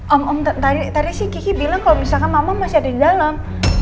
om om tadi sih kiki bilang kalau misalkan mama masih ada di dalam